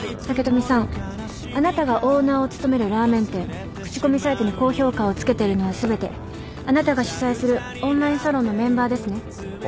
竹富さんあなたがオーナーを務めるラーメン店口コミサイトに高評価をつけているのは全てあなたが主宰するオンラインサロンのメンバーですね？